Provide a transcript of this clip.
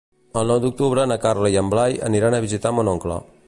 El nou d'octubre na Carla i en Blai aniran a visitar mon oncle.